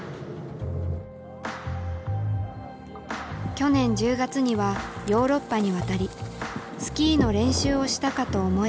去年１０月にはヨーロッパに渡りスキーの練習をしたかと思えば。